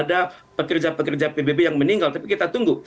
ada pekerja pekerja pbb yang meninggal tapi kita tunggu